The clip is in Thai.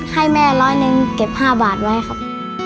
ให้แม่ร้อยหนึ่งเก็บ๕บาทไว้ครับ